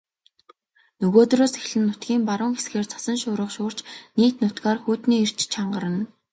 Нөгөөдрөөс эхлэн нутгийн баруун хэсгээр цасан шуурга шуурч нийт нутгаар хүйтний эрч чангарна.